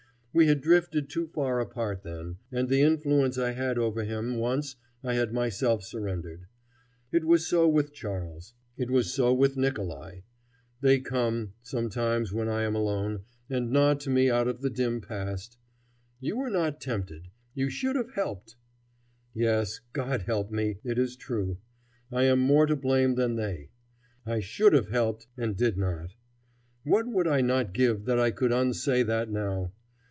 We had drifted too far apart then, and the influence I had over him once I had myself surrendered. It was so with Charles. It was so with Nicolai. They come, sometimes when I am alone, and nod to me out of the dim past: "You were not tempted. You should have helped!" Yes, God help me! it is true. I am more to blame than they. I should have helped and did not. What would I not give that I could unsay that now!